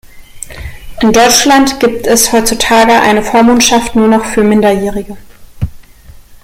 In Deutschland gibt es heutzutage eine Vormundschaft nur noch für Minderjährige.